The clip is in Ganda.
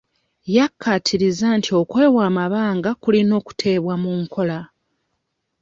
Yakkaatirizza nti okwewa amabanga kulina okuteekebwa mu nkola.